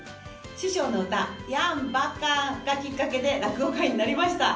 師匠の歌『いやんばかん』がきっかけで落語家になりました。